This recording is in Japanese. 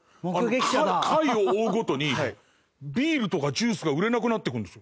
回を追うごとにビールとかジュースが売れなくなってくるんですよ。